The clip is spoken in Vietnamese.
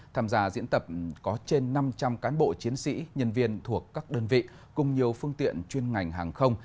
tham gia diễn tập có trên năm trăm linh cán bộ chiến sĩ nhân viên thuộc các đơn vị cùng nhiều phương tiện chuyên ngành hàng không